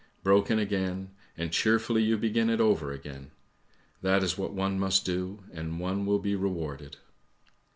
Broken again — and cheerfully you begin it over again. That is what one must do and one will be rewarded